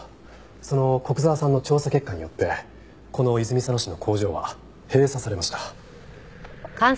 その古久沢さんの調査結果によってこの泉佐野市の工場は閉鎖されました。